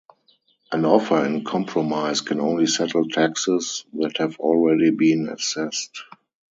An Offer in Compromise can only settle taxes that have already been assessed.